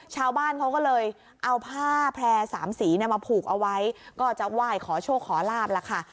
ชาวบ้านเขาก็เลยเอาผ้าแพร่สามสีมาผูกเอาไว้ก็จะไหว้ขอโชคขอลาบล่ะค่ะ